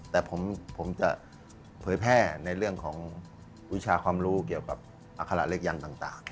แต่ผมจะเผยแพร่ในเรื่องของวิชาความรู้เกี่ยวกับอัคระเลขยันต์ต่าง